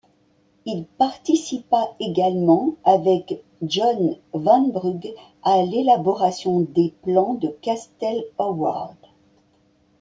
Il participa également avec John Vanbrugh à l'élaboration des plans de Castle Howard.